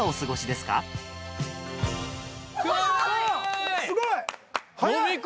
すごい！